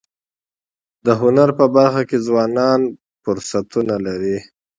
د هنر په برخه کي ځوانان فرصتونه لري.